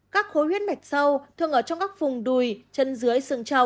các khối huyết mạch sâu thường ở trong các vùng đùi chân dưới xương trậu